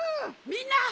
みんな！